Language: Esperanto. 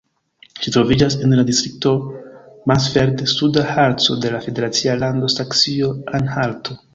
Ĝi troviĝas en la distrikto Mansfeld-Suda Harco de la federacia lando Saksio-Anhalto.